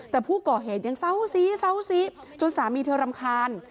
แต่ผู้ก่อเหตุยังเศร้าสีจนสามีเธอรำคาญ